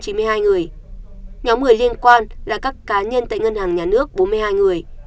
nhóm người liên quan là các cá nhân tại ngân hàng nhà nước bốn mươi hai người